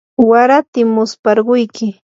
waratim musparquyki.